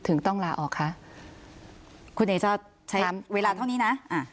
ถึงต้องลาออกคะคุณเอชาติใช้เวลาเท่านี้นะอ่า